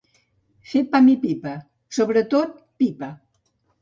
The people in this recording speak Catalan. Fer pam i pipa, sobretot pipa.